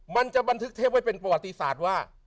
มันจะบันทึกเทปไว้เป็นประวัติศาสตร์ว่า